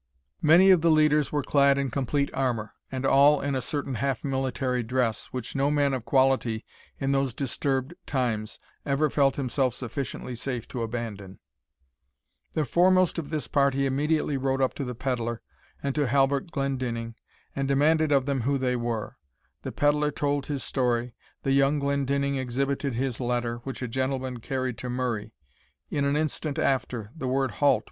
Many of the leaders were clad in complete armour, and all in a certain half military dress, which no man of quality in those disturbed times ever felt himself sufficiently safe to abandon. The foremost of this party immediately rode up to the pedlar and to Halbert Glendinning, and demanded of them who they were. The pedlar told his story, the young Glendinning exhibited his letter, which a gentleman carried to Murray. In an instant after, the word "Halt!"